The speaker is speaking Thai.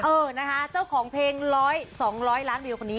เออนะคะเจ้าของเพลง๑๐๐๒๐๐ล้านวิวคนนี้